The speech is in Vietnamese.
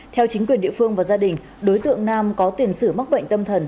theo chính quyền địa phương và gia đình đối tượng nam có tiền sử mắc bệnh tâm thần